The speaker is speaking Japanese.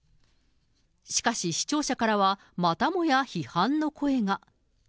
しかし視聴者からは、またもや批判の声が。